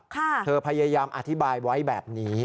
เธอพยายามอธิบายไว้แบบนี้